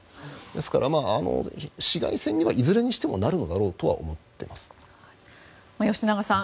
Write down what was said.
ですから、市街戦にはいずれにしてもなるのだろうと吉永さん